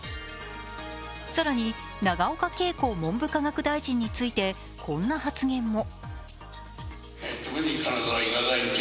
更に永岡桂子文部科学大臣についてこんな発言も。